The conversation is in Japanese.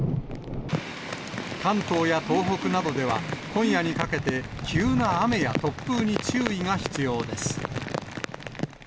関東や東北などでは、今夜にかけて急な雨や突風に注意が必要です。